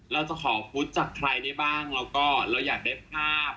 เราจะขอพุทธจากใครได้บ้างแล้วก็เราอยากได้ภาพ